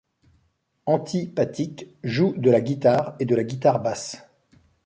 Anti Pathique joue de la guitare et de la Guitare basse.